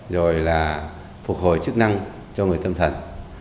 rồi là phục hồi chức năng cho người tâm thần